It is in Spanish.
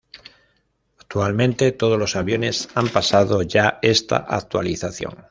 Actualmente todos los aviones han pasado ya esta actualización.